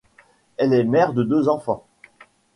Elle est mère de deux enfants.